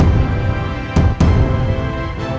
kita disitu jangan bercanda ya temen temen